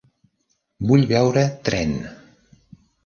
Vull veure "Tren".